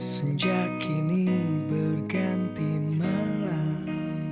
sejak kini berganti malam